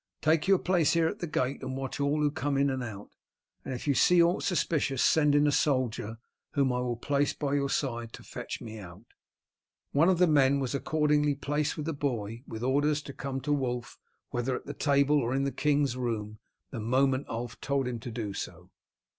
Take your place here at the gate and watch all who come in and out, and if you see aught suspicious send in a soldier, whom I will place by your side, to fetch me out." One of the men was accordingly placed with the boy with orders to come to Wulf, whether at the table or in the king's room, the moment Ulf told him to do so.